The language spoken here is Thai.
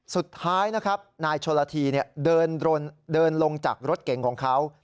สุดท้ายนะครับนายชนละทีเดินลงจากรถเก่งของเขา